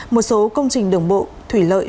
một số công trình đường bộ thủy lợi